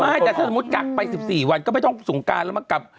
แต่ถ้าสมมุติกักไป๑๔วันก็ไม่ต้องสงการแล้วมากลับ